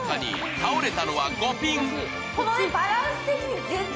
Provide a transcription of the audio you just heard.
倒れたのは５ピン。